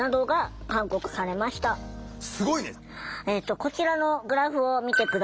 こちらのグラフを見て下さい。